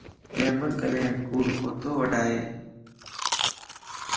احمد ڪڏين ڪوڙ ڪوتو وڊائي